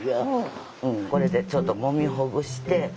これでちょっともみほぐして。